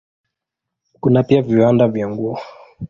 Kuna pia viwanda vya nguo.